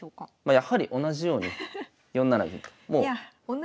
やはり同じように４七銀と。